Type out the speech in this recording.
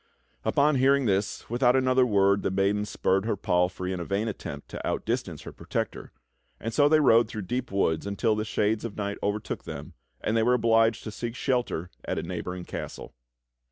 LTpon hearing this, without another word the maiden spurred her palfrey in a vain attempt to outdistance her protector, and so they rode through deep w'oods until the shades of night overtook them, and they w^ere obliged to seek shelter at a neighboring castle.